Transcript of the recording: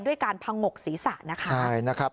ด้วยการผงกศีรษะนะคะใช่นะครับ